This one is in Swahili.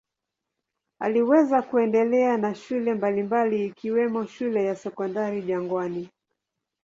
Aliweza kuendelea na shule mbalimbali ikiwemo shule ya Sekondari Jangwani.